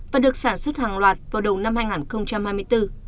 và được sản xuất hàng loạt vào đầu năm hai nghìn hai mươi bốn